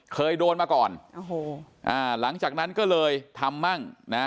เคยโดนมาก่อนหลังจากนั้นก็เลยทำมั่ง